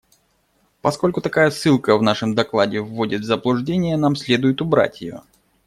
Поскольку такая ссылка в нашем докладе вводит в заблуждение, нам следует убрать ее.